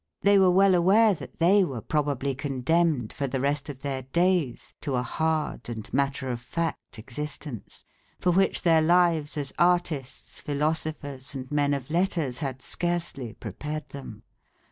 They were well aware that they were probably condemned for the rest of their days to a hard and matter of fact existence, for which their lives as artists, philosophers, and men of letters, had scarcely prepared them.